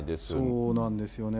そうなんですよね。